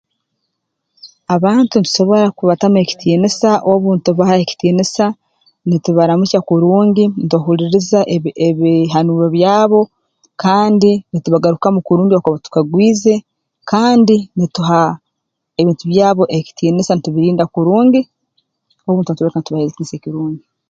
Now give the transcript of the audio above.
Abantu ntusobora kubatamu ekitiinisa obu ntubaha ekitiinisa nitubaramukya kurungi ntuhuliiriza ebi ebihanuuro byabo kandi ntubagarukamu kurungi obu bakuba batukagwize kandi nituha ebintu byabo ekitiinisa ntubirinda kurungi obu ntuba ntubooleka ntubaha ekitiinisa ekirungi